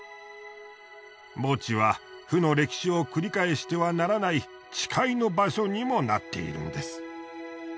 墓地は負の歴史を繰り返してはならない誓いの場所にもなっているんです。